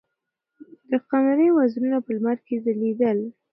د قمرۍ وزرونه په لمر کې ځلېدل.